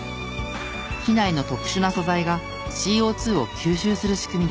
機内の特殊な素材がＣＯ２を吸収する仕組みです。